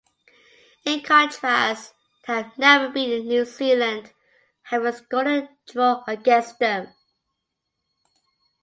In contrast, they have never beaten New Zealand, having scored a draw against them.